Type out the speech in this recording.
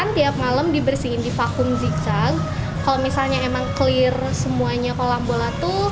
tiap malam dibersihin di vakum zica kalau misalnya emang clear semuanya kolam bola tuh